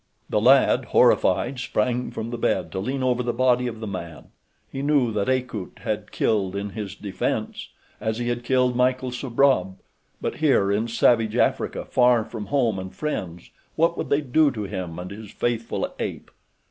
The lad, horrified, sprang from the bed to lean over the body of the man. He knew that Akut had killed in his defense, as he had killed Michael Sabrov; but here, in savage Africa, far from home and friends what would they do to him and his faithful ape?